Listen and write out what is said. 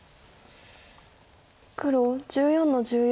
黒１４の十四。